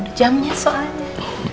udah jamnya soalnya